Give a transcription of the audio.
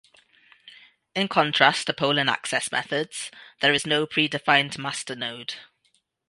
In contrast to polling access methods, there is no pre-defined "master" node.